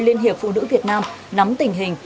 liên hiệp phụ nữ việt nam nắm tình hình